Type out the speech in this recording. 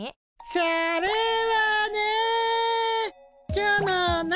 それはね。